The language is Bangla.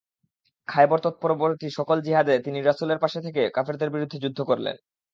খায়বর তৎপরবর্তী সকল জিহাদে তিনি রাসূলের পাশে পাশে থেকে কাফেরদের বিরুদ্ধে যুদ্ধ করলেন।